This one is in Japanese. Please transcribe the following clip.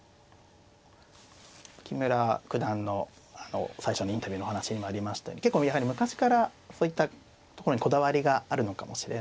木村九段の最初のインタビューのお話にもありましたように結構やはり昔からそういったところにこだわりがあるのかもしれないですね。